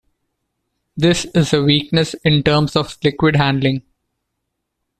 This is a weakness in terms of liquid handling.